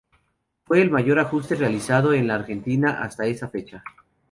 Fue el mayor ajuste realizado en la Argentina hasta esa fecha.